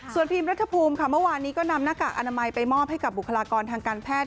ส่วนพีมรัฐภูมิค่ะเมื่อวานนี้ก็นำหน้ากากอนามัยไปมอบให้กับบุคลากรทางการแพทย์